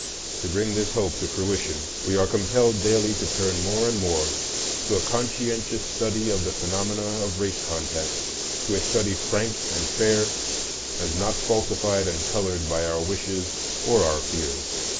To bring this hope to fruition, we are compelled daily to turn more and more to a conscientious study of the phenomena of race contact,—to a study frank and fair, and not falsified and colored by our wishes or our fears.